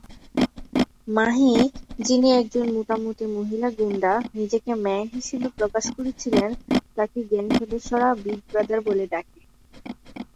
মাহি, যিনি একজন মোটামুটি মহিলা গুন্ডা, নিজেকে "ম্যান" হিসাবে প্রকাশ করেছিলেন, তাকে গ্যাং সদস্যরা "বিগ ব্রাদার" বলে ডাকে।